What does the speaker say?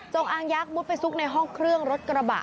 อางยักษ์มุดไปซุกในห้องเครื่องรถกระบะ